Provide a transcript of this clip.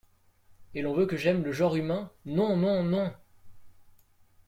Et l’on veut que j’aime le genre humain… non ! non !… non !…